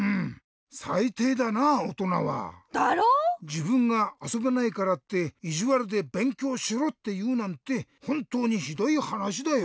じぶんがあそべないからっていじわるでべんきょうしろっていうなんてほんとうにひどいはなしだよ。